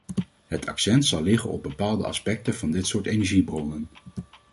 Het accent zal liggen op bepaalde aspecten van dit soort energiebronnen.